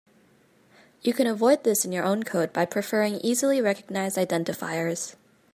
You can avoid this in your own code by preferring easily recognized identifiers.